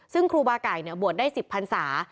ซึ่งครูบาไก่บวชได้๑๐พันศา